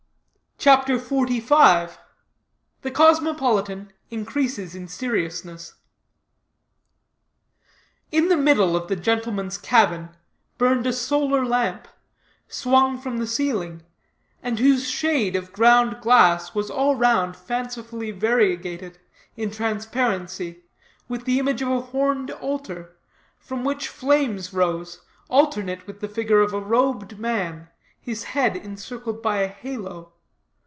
CHAPTER XLV. THE COSMOPOLITAN INCREASES IN SERIOUSNESS. In the middle of the gentleman's cabin burned a solar lamp, swung from the ceiling, and whose shade of ground glass was all round fancifully variegated, in transparency, with the image of a horned altar, from which flames rose, alternate with the figure of a robed man, his head encircled by a halo.